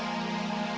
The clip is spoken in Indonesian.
golong lu bocah